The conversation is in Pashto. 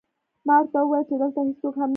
ما ورته وویل چې دلته هېڅوک هم نشته